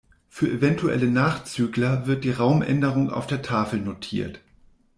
Für eventuelle Nachzügler wird die Raumänderung auf der Tafel notiert.